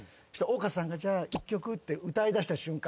丘さんが「じゃあ１曲」って歌いだした瞬間